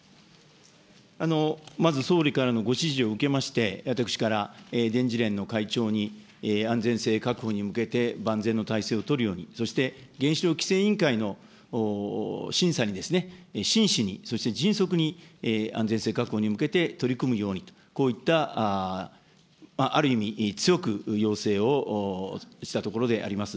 まず総理からのご指示を受けまして、私から電事連の会長に安全性確保に向けて、万全の体制を取るように、そして原子力規制委員会の審査に真摯にそして迅速に安全性確保に向けて取り組むようにと、こういったある意味、強く要請をしたところであります。